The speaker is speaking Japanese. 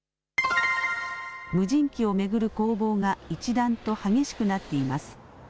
無人機を巡る攻防が一段と激しくなっています。